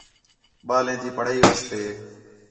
ٻالیں تی پڑھائی واسطے